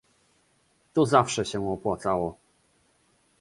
To zawsze się opłacało